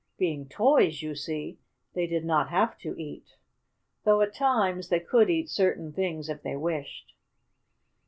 Being toys, you see, they did not have to eat. Though, at times, they could eat certain things if they wished.